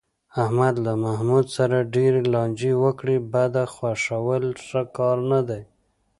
احمد له محمود سره ډېرې لانجې وکړې، بده خوښول ښه کار نه دی.